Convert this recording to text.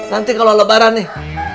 nanti kalau lebaran nih